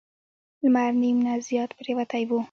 لمر نیم نه زیات پریوتی و.